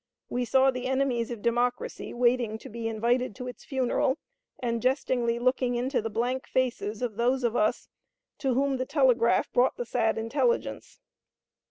We saw the enemies of Democracy waiting to be invited to its funeral, and jestingly looking into the blank faces of those of us to whom the telegraph brought the sad intelligence.